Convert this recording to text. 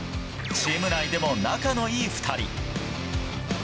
チーム内でも仲のいい２人。